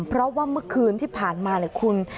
เพราะว่าเมื่อคืนที่ผ่านมาเนี่ยคุณ